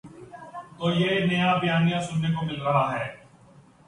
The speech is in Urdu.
تو یہ نیا بیانیہ سننے کو مل رہا ہے۔